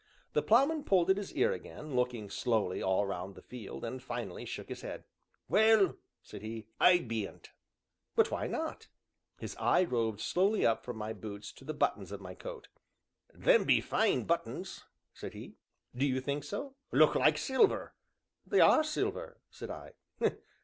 The Ploughman pulled at his ear again, looked slowly all round the field, and, finally, shook his head. "Well," said he, "I bean't." "But why not?" His eye roved slowly up from my boots to the buttons on my coat. "Them be fine buttons!" said he. "Do you think so?" "Look like silver!" "They are silver," said I.